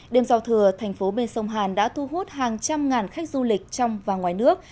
đêm giao thừa thành phố bên sông hàn đã thu hút hàng trăm ngàn khách du lịch trong và ngoài nước